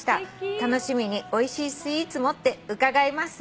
「楽しみにおいしいスイーツ持って伺いますね」